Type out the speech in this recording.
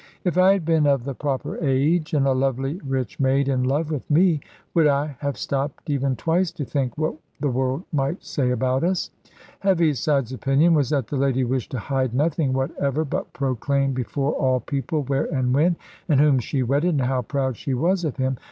If I had been of the proper age, and a lovely rich maid in love with me, would I have stopped even twice to think what the world might say about us? Heaviside's opinion was that the lady wished to hide nothing whatever, but proclaim before all people where and when, and whom she wedded, and how proud she was of him.